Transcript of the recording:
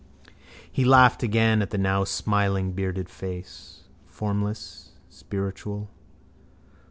He laughed again at the now smiling bearded face. Formless spiritual.